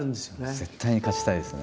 絶対に勝ちたいですね。